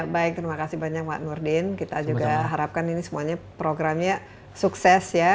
baik terima kasih banyak pak nurdin kita juga harapkan ini semuanya programnya sukses ya